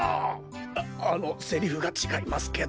ああのセリフがちがいますけど。